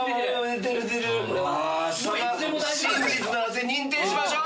真実の汗認定しましょう！